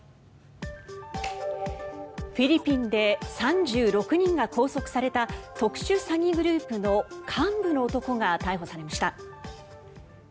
フィリピンで３６人が拘束された特殊詐欺グループの幹部の男が逮捕されました。